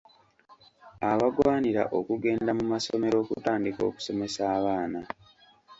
Abagwanira okugenda mu masomero okutandika okusomesa abaana.